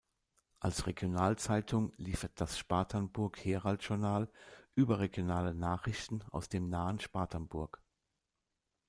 Als Regionalzeitung liefert das "Spartanburg Herald-Journal" überregionale Nachrichten aus dem nahen Spartanburg.